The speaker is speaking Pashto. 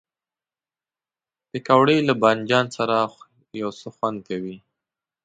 پکورې له بادنجان سره یو خوند لري